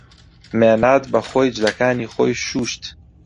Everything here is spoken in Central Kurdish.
مێناد بەخۆی جلەکانی خۆی شووشت.